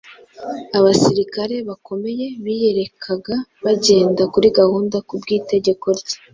Abasirikare bakomeye biyerekaga bagenda kuri gahunda kubw’itegeko rye,